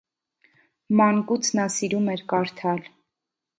Մանկուց նա սիրում էր կարդալ։